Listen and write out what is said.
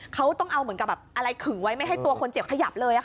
เขาต้องเอาอะไรแบบขึ้นไว้ไม่ให้ตัวคนเจ็บขยับเลย